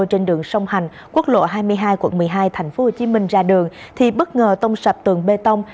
trên đường sông hành quốc lộ hai mươi hai quận một mươi hai tp hcm ra đường thì bất ngờ tông sập tường bê tông